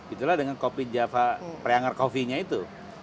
itulah dengan kopi java preanger coffee nya itu